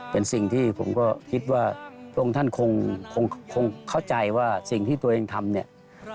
ผมเข้าใจว่าสิ่งที่ตัวเองทำ